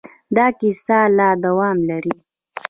دا کیسه لا دوام لري.